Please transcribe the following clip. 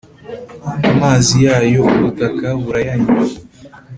amazi yayo ubutaka burayanywa,